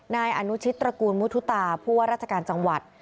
นายอนุชิตตระกูลมุทุตาผู้ว่าราชการจังหวัด